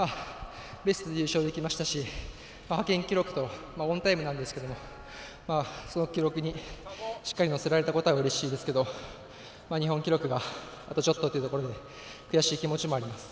ベストで優勝できましたし派遣記録とオンタイムなんですけどその記録にしっかり乗せられたことはうれしいですけど日本記録はあとちょっとっていうところで悔しい思いもあります。